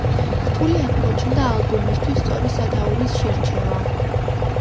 რთული აღმოჩნდა ალბომისთვის სწორი სათაურის შერჩევა.